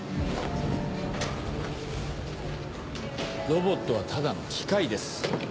ロボットはただの機械です。